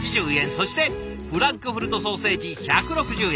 そしてフランクフルトソーセージ１６０円。